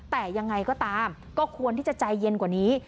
แต่ยังไงก็ตามก็ควรที่จะใจเย็นกว่านี้